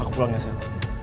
aku pulang ya sel